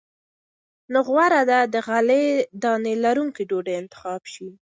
نو غوره ده د غلې- دانو لرونکې ډوډۍ انتخاب شي.